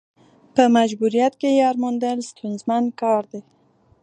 په مجبوریت کې یار موندل ستونزمن کار دی.